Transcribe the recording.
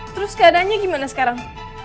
terus keadanya gimana sekarang